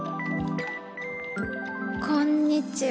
「こんにちは。